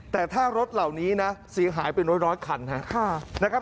แต่ถ้ารถเหล่านี้นะเสียหายเป็นร้อยคันนะครับ